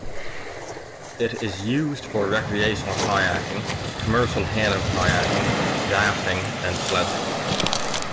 It is used for recreational kayaking, commercial tandem kayaking, rafting and sledging.